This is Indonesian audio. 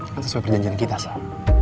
kan sesuai perjanjian kita sih